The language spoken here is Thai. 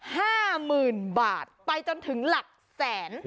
ห้าหมื่นบาทไปจนถึงหลักแสน